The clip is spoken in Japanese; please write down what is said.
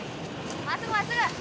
真っすぐ真っすぐ！